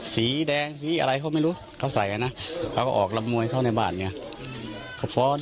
สีแดงสีอะไรเขาไม่รู้เขาใส่นะเขาก็ออกลำมวยเขาในบ้านอย่างเงี้ย